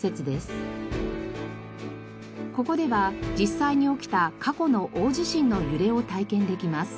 ここでは実際に起きた過去の大地震の揺れを体験できます。